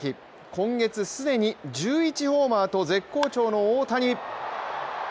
今月、既に１１ホーマーと絶好調の大谷。